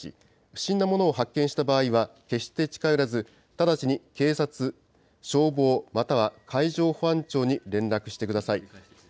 不審なものを発見した場合には、決して近寄らず、直ちに警察、消防、または海上保安庁に連絡してください。